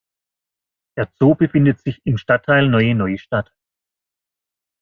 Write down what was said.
Der Zoo befindet sich im Stadtteil Neue Neustadt.